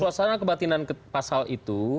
suasana kebatinan pasal itu